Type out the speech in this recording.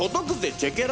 チェケラ！